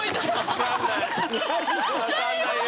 分かんないよ。